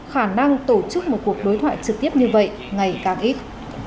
khả năng tổ chức một cuộc đối thoại trực tiếp như vậy ngày càng ít